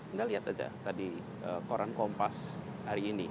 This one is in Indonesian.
anda lihat aja tadi koran kompas hari ini